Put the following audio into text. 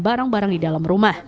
barang barang di dalam rumah